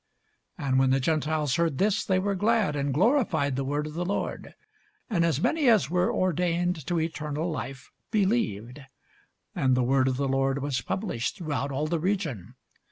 And when the Gentiles heard this, they were glad, and glorified the word of the Lord: and as many as were ordained to eternal life believed. And the word of the Lord was published throughout all the region.